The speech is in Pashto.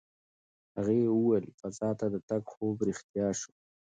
هغې وویل فضا ته د تګ خوب یې رښتیا شو.